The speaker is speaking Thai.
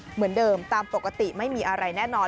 เหมือนเดิมตามปกติไม่มีอะไรแน่นอน